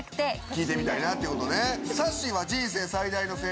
聞いてみたいなっていうことね。